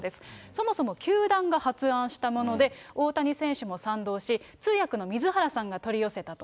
そもそも球団が発案したもので、大谷選手も賛同し、通訳の水原さんが取り寄せたと。